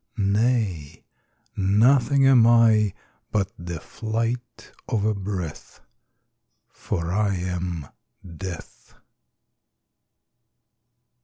Nay; nothing am I, But the flight of a breath For I am Death!